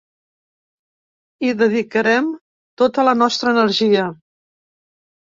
Hi dedicarem tota la nostra energia.